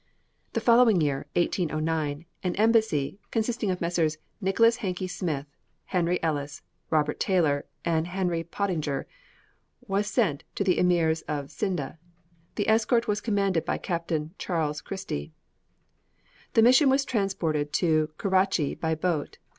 The following year (1809), an embassy, consisting of Messrs. Nicholas Hankey Smith, Henry Ellis, Robert Taylor, and Henry Pottinger, was sent to the Emirs of Scinde. The escort was commanded by Captain Charles Christie. The mission was transported to Keratchy by boat.